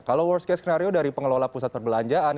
kalau worst case skenario dari pengelola pusat perbelanjaan